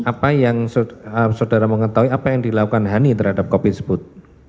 apa yang saudara mengetahui apa yang dilakukan hani terhadap kopi tersebut